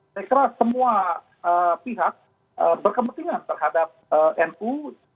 saya kira semua pihak berkepentingan terhadap nu